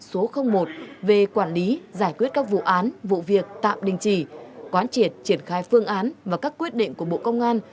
số một về quản lý giải quyết các vụ án vụ việc tạm đình chỉ quán triệt triển khai phương án và các quyết định của bộ công an